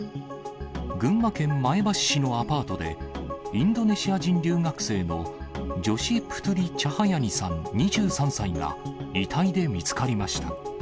群馬県前橋市のアパートで、インドネシア人留学生のジョシ・プトゥリ・チャハヤニさん２３歳が、遺体で見つかりました。